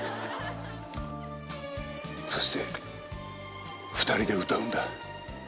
そして２人で歌うんだ。